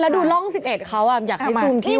แล้วดูร่อง๑๑เขาอยากให้ซูมที่